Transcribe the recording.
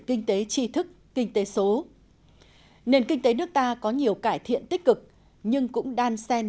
kinh tế tri thức kinh tế số nền kinh tế nước ta có nhiều cải thiện tích cực nhưng cũng đan sen